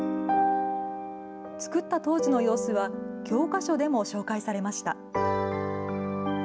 作った当時の様子は、教科書でも紹介されました。